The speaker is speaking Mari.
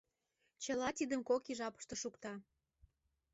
Чыла тидым кок ий жапыште шукта.